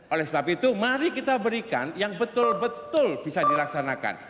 oleh sebab itu mari kita berikan yang betul betul bisa dilaksanakan